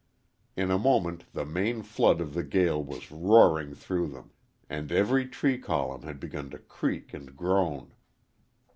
In a moment the main flood of the gale was roaring through them, and every tree column had begun to creak and groan.